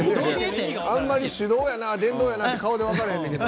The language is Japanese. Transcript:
あんまり手動やな電動やな顔で分からないんだけど。